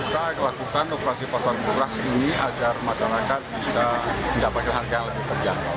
kita lakukan operasi pasar murah ini agar masyarakat bisa mendapatkan harga yang lebih terjangkau